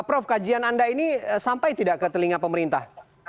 prof kajian anda ini sampai tidak ke telinga pemerintah